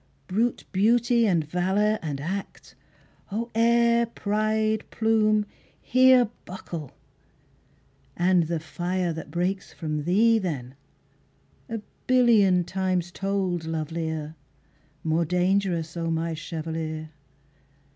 Brute beauty and valour and act, oh, air, pride, plume, here Buckle! AND the fire that breaks from thee then, a billion Times told lovelier, more dangerous, O my chevalier!